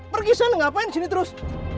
pergi sana ngapain disini terus